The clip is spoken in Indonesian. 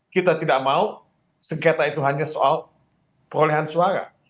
kita tidak mau sengketa itu hanya soal perolehan suara